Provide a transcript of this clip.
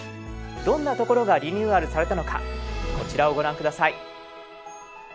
どんなところがリニューアルされたのかこちらをご覧下さい。